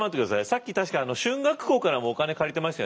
さっき確か春嶽公からもお金借りてましたよね？